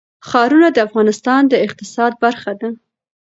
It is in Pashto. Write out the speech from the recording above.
ښارونه د افغانستان د اقتصاد برخه ده.